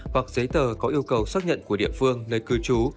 hoặc giấy tờ có yêu cầu xác nhận của địa phương nơi cư trú